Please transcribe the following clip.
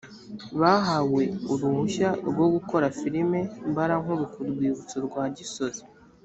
bahawe uruhushya rwo gukora filimi mbarankuru ku rwibutso rwa gisozi